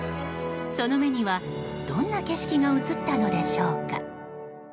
その目には、どんな景色が映ったのでしょうか。